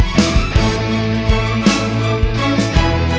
lo kamu drilin olahraga